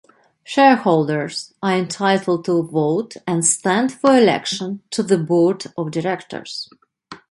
Shareholders are entitled to vote and stand for election to the Board of Directors.